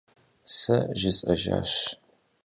Сэ зысӀэжьащ.